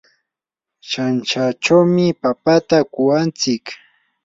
shanshachawmi papata kuwantsik.